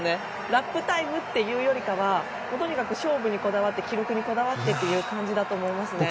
ラップタイムというよりはとにかく勝負にこだわって記録にこだわってということだと思いますね。